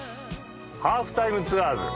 『ハーフタイムツアーズ』。